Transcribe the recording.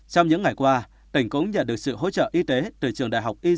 trong những ngày qua tỉnh cũng nhận được sự hỗ trợ y tế từ trường đại học y